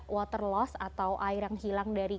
water loss atau air yang hilang dari